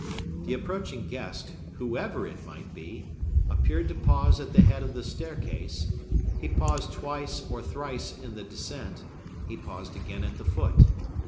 The approaching guest, whoever it might be, appeared to pause at the head of the staircase; he paused twice or thrice in the descent; he paused again at the foot.